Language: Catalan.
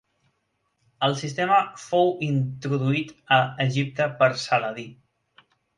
El sistema fou introduït a Egipte per Saladí.